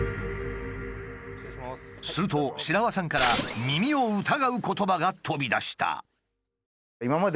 すると白輪さんから耳を疑う言葉が飛び出した。